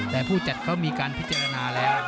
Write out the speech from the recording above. แต่ผู้จัดเขามีการพิจารณาแล้ว